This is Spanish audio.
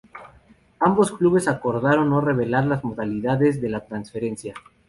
Ambos clubes acordaron no revelar las modalidades de la transferencia.